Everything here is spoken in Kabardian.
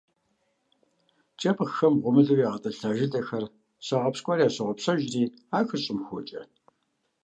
КIэпхъхэм гъуэмылэу ягъэтIылъа жылэхэр щагъэпщкIуар ящогъупщэжри, ахэр щIым хокIэ.